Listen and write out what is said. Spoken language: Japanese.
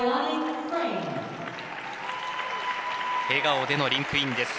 笑顔でのリンクイン。